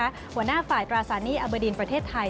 หัวหน้าฝ่ายทราศานีอเบอร์ดีนประเทศไทย